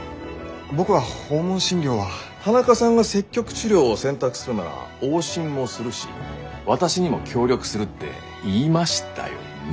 田中さんが積極治療を選択するなら往診もするし私にも協力するって言いましたよね？